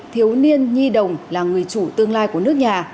thiếu niên nhi đồng là người chủ tương lai của nước nhà